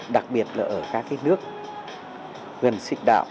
đặc biệt là ở các nước gần sinh đạo